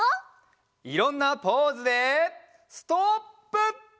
いろんなポーズでストップ！